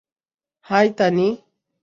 High, Tani.